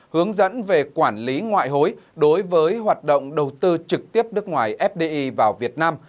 hướng dẫn về quản lý ngoại hối đối với hoạt động đầu tư trực tiếp nước ngoài fdi vào việt nam